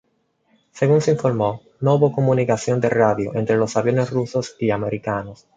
Según se informó, no hubo comunicación de radio entre los aviones rusos y americanos.